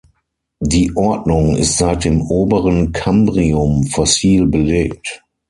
Die Ordnung ist seit dem oberen Kambrium fossil belegt.